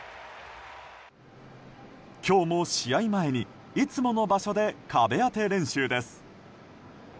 今日も試合前にいつもの場所で壁当て練習です。